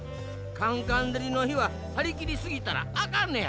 カンカンでりのひははりきりすぎたらあかんのや！